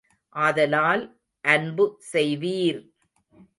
ஆதலால் அன்பு செய்வீர்!